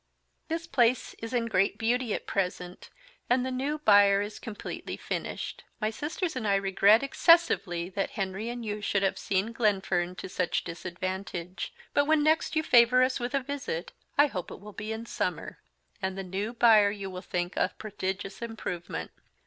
This Place is in great Beauty at present, and the new Byre is completely finished. My Sisters and I regret Excessively that Henry and you should have seen Glenfern to such disadvantage; but when next you favour us with a visit, I hope it will be in Summer, and the New Byre you will think a Prodigious Improvement.